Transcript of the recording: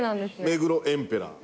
目黒エンペラー。